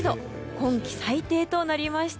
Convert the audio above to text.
今季最低となりました。